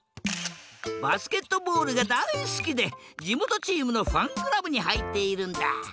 バスケットボールがだいすきでじもとチームのファンクラブにはいっているんだ。